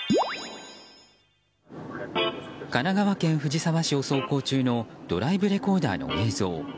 神奈川県藤沢市を走行中のドライブレコーダーの映像。